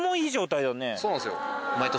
そうなんですよ。